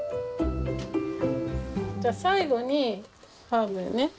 じゃ最後にハーブね。